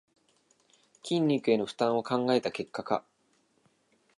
筋肉への負担を考えた結果か